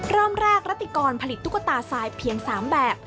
เริ่มแรกรัติกรผลิตตุ๊กตาทรายเพียง๓แบบ